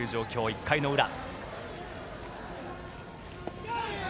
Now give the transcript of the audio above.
１回の裏。